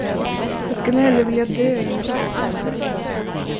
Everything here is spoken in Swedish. Jag skulle hellre vilja dö i en grotta.